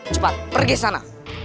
cepat pergi sana